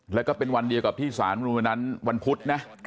แล้วก็เป็นวันเดียวกับที่สารมนุนวันนั้นวันพุธนะ